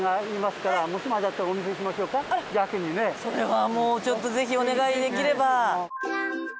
それはもうちょっとぜひお願いできれば。